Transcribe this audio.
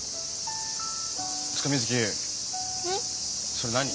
それ何？